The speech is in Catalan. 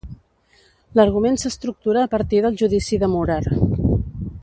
L'argument s'estructura a partir del judici de Murer.